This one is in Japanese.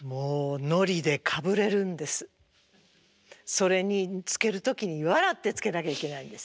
それにつける時に笑ってつけなきゃいけないんです。